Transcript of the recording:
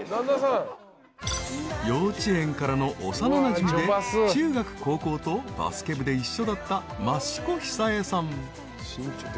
［幼稚園からの幼なじみで中学高校とバスケ部で一緒だった益子久恵さん］